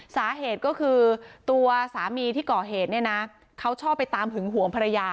สาเหตุก็คือตัวสามีที่ก่อเหตุเนี่ยนะเขาชอบไปตามหึงหวงภรรยา